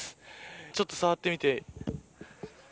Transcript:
ちょっと触ってみて。